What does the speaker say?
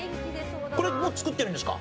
これも作ってるんですか？